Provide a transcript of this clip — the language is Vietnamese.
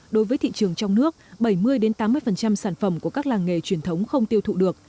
đối với thị trường trong nước bảy mươi tám mươi sản phẩm của các làng nghề truyền thống không tiêu thụ được